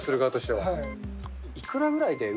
はい。